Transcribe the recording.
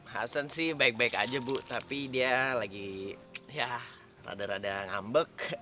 hasan sih baik baik aja bu tapi dia lagi ya rada rada ngambek